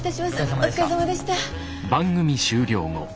お疲れさまでした。